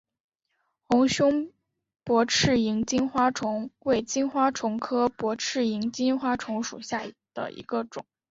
红胸薄翅萤金花虫为金花虫科薄翅萤金花虫属下的一个种。